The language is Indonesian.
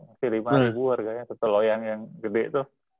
masih lima harganya satu loyang yang gede tuh